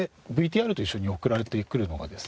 でＶＴＲと一緒に送られてくるのがですね